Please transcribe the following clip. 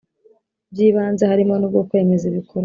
By ibanze harimo n ubwo kwemeza ibikorwa